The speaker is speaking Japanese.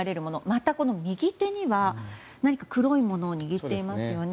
また、右手には何か黒いものを握っていますよね。